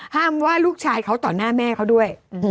ว่าลูกชายเขาต่อหน้าแม่เขาด้วย